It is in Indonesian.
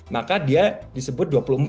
maka dia disebut dua puluh empat